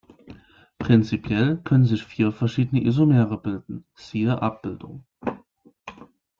Prinzipiell können sich vier verschiedene Isomere bilden, siehe Abbildung.